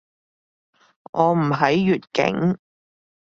我唔喺粵境